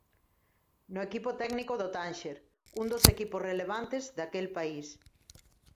No equipo técnico do Tánxer, un dos equipos relevantes daquel país.